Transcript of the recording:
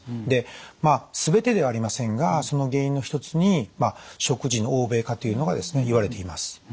で全てではありませんがその原因の一つに食事の欧米化というのがですねいわれています。